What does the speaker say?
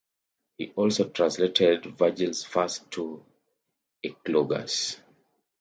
He also translated Virgil's first two Eclogues.